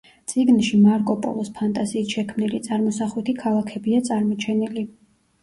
წიგნში მარკო პოლოს ფანტაზიით შექმნილი წარმოსახვითი ქალაქებია წარმოჩენილი.